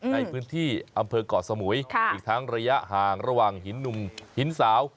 ในพื้นที่อำเภอกเกาะสมุยอีกทั้งระยะห่างระหว่างหินหนุ่มหินสาว